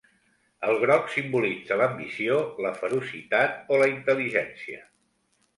El groc simbolitza l"ambició, la ferocitat o la intel·ligència.